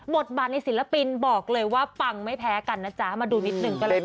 บทบาทในศิลปินบอกเลยว่าปังไม่แพ้กันนะจ๊ะมาดูนิดนึงก็แล้วกัน